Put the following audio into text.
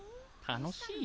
・楽しい？